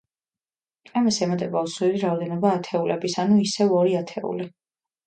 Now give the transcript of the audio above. ამას ემატება უცვლელი რაოდენობა ათეულების, ანუ, ისევ ორი ათეული.